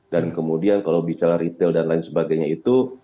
dan kemudian kalau bicara retail dan lain sebagainya itu